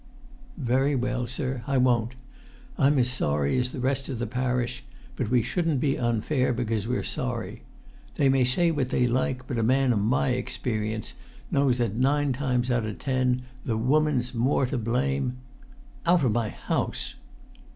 "Very well, sir, I won't. I'm as sorry as the rest o' the parish; but we shouldn't be unfair because we're sorry. They may say what they like, but a man of my experience knows that nine times out of ten the woman's more to blame——" "Out of my house!"